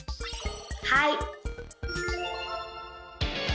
はい！